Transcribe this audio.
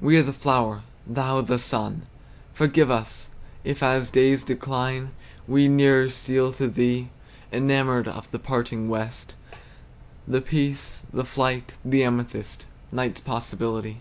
We are the flower, Thou the sun! Forgive us, if as days decline, We nearer steal to Thee, Enamoured of the parting west, The peace, the flight, the amethyst, Night's possibility!